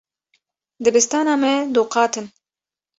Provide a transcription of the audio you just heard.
Dibistana me du qat in.